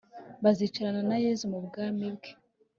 bazicarana na yezu mu bwami bwe